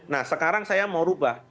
nah sekarang saya mau rubah